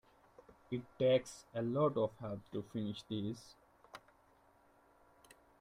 It takes a lot of help to finish these.